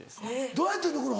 どうやって抜くの？